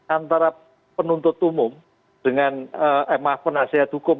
antara penuntut umum dengan penasihat hukum